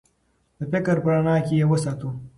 د فکر په رڼا کې یې وساتو.